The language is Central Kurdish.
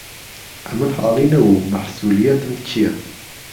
ئهمن حاڵی نهبووم مهحسولییهتم چییه